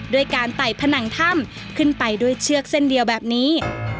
ด้วยการไต่ผนังถ้ำขึ้นไปด้วยเชือกเส้นเดียวแบบนี้